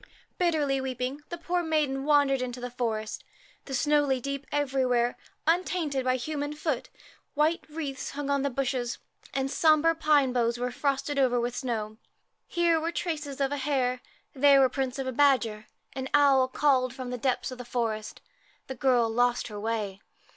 Bitterly weeping, the poor maiden wandered into the forest. The snow lay deep everywhere, undinted by human foot ; white wreaths hung on the bushes, and the sombre pine boughs were frosted over with snow. Here were the traces of a hare, there the prints of a badger. An owl called from the depths of the forest. The girl lost her way.